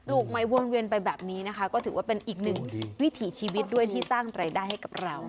ลูกไม้วนเวียนไปแบบนี้นะคะก็ถือว่าเป็นอีกหนึ่งวิถีชีวิตด้วยที่สร้างรายได้ให้กับเรา